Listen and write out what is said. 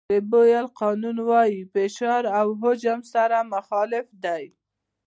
د بویل قانون وایي فشار او حجم سره مخالف دي.